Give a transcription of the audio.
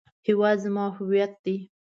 هیواد زما هویت دی